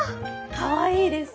かわいいです。